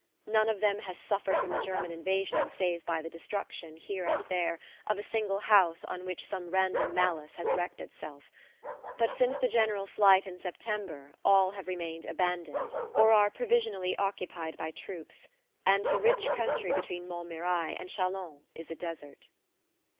None of them has suffered from the German invasion, save by the destruction, here and there, of a single house on which some random malice has wreaked itself; but since the general flight in September all have remained abandoned, or are provisionally occupied by troops, and the rich country between Montmirail and Chalons is a desert.